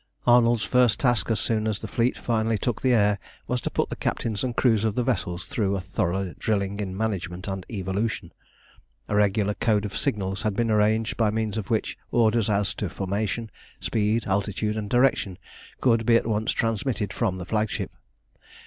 Arnold's first task, as soon as the fleet finally took the air, was to put the captains and crews of the vessels through a thorough drilling in management and evolution. A regular code of signals had been arranged, by means of which orders as to formation, speed, altitude, and direction could be at once transmitted from the flagship.